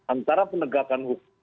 antara penegakan hukum